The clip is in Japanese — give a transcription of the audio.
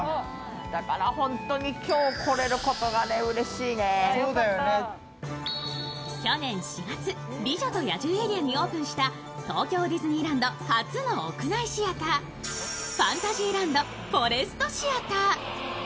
続いて向かうのは去年４月、美女と野獣エリアにオープンした、東京ディズニーランド初の屋内シアターファンタジーランド・フォレストシアター。